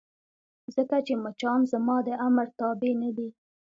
ځکه چې مچان زما د امر تابع نه دي.